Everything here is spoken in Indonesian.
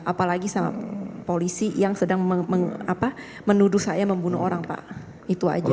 apalagi sama polisi yang sedang menuduh saya membunuh orang pak itu aja